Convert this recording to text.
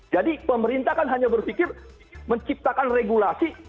jadi pemerintah kan hanya berpikir menciptakan regulasi